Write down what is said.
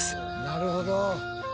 なるほど。